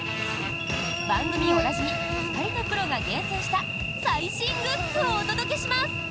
番組おなじみ２人のプロが厳選した最新グッズをお届けします。